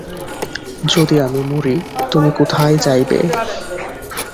যদি আমি মরি তুমি কোথায় যাইবে?